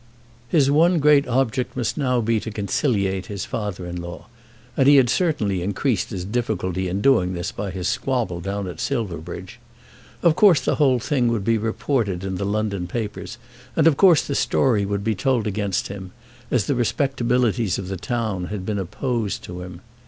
His one great object must now be to conciliate his father in law, and he had certainly increased his difficulty in doing this by his squabble down at Silverbridge. Of course the whole thing would be reported in the London papers, and of course the story would be told against him, as the respectabilities of the town had been opposed to him.